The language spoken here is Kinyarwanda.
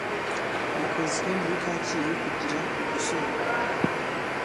bikozwe muri kacyiru kugira bikosorwe